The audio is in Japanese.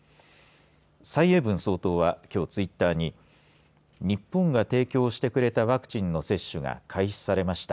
蔡英文総統はきょうツイッターに日本が提供してくれたワクチンの接種が開始されました。